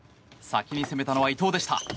先に攻めたのは伊藤でした。